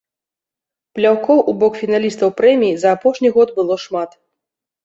Пляўкоў у бок фіналістаў прэміі за апошні год было шмат.